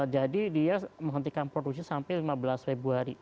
jadi dia menghentikan produksi sampai lima belas februari